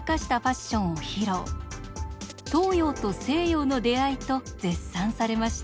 東洋と西洋の出会いと絶賛されました。